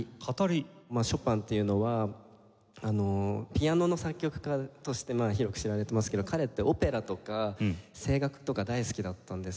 ショパンっていうのはピアノの作曲家として広く知られてますけど彼ってオペラとか声楽とか大好きだったんですね。